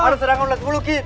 ada serangan ulat bulu kian